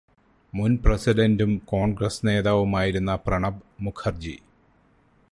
മുൻ പ്രസിഡെന്റും കോൺഗ്രസ്സ് നേതാവുമായിരുന്ന പ്രണബ് മുഖർജി